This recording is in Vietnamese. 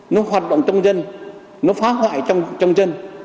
nó hoạt động trong dân nó phá hoại trong dân